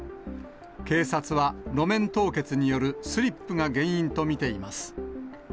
警察は路面凍結によるスリップが原因と見ています。